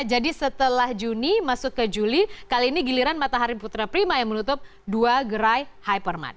jadi setelah juni masuk ke juli kali ini giliran matahari putra primat yang menutup dua gerai hypermat